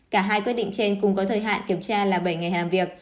cả hai quyết định trên cùng có thời hạn kiểm tra là bảy ngày làm việc